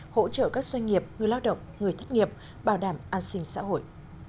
hỗ trợ các doanh nghiệp người lao động người thất nghiệp bảo đảm an sinh xã hội